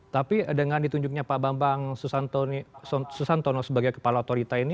tapi dengan ditunjuknya pak bambang susantono sebagai kepala otorita ini